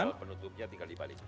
penutupnya tinggal dibalik